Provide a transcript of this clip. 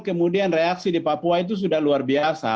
kemudian reaksi di papua itu sudah luar biasa